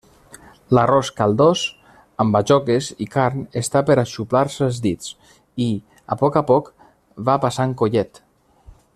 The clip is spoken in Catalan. L'arròs caldós amb bajoques i carn està per a xuplar-se els dits i, a poc a poc, va passant collet.